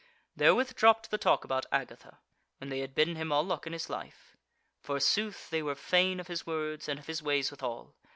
Therewith dropped the talk about Agatha, when they had bidden him all luck in his life. Forsooth, they were fain of his words, and of his ways withal.